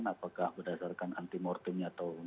apakah berdasarkan anti mortem atau nanti post mortem